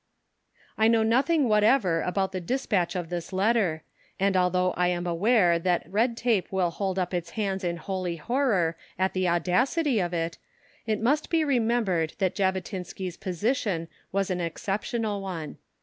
I knew nothing whatever about the despatch of this letter, and although I am aware that red tape will hold up its hands in holy horror at the audacity of it, it must be remembered that Jabotinsky's position was an exceptional one.